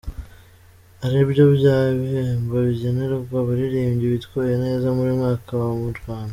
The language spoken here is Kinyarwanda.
ari byo bya ibihembo bigenerwa abaririmbyi bitwaye neza buri mwaka mu Rwanda.